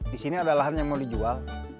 di sini ada lahan yang mau dijual